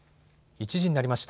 １時になりました。